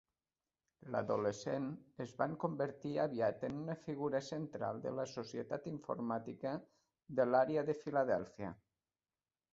L'adolescent es van convertir aviat en una figura central de la Societat Informàtica de l'Àrea de Filadèlfia.